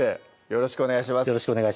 よろしくお願いします